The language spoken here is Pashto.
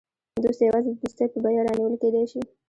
دوست یوازې د دوستۍ په بیه رانیول کېدای شي.